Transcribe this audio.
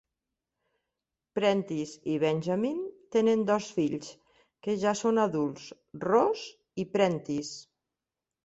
Prentiss i Benjamin tenen dos fills que ja són adults, Ross i Prentiss.